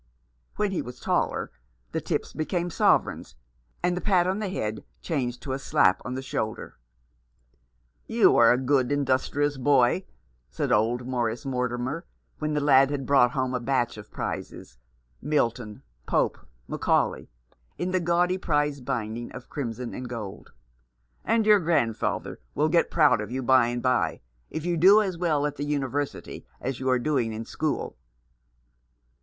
When he was taller the tips became sovereigns, and the pat on the head changed to a slap on the shoulder. "You are a good, industrious boy," said old Morris Mortimer, when the lad had brought home a batch of prizes — Milton, Pope, Macaulay — in the gaudy prize binding of crimson and gold ; "and your grandfather will get proud of you by and by, if you do as well at the University as you are doing at school."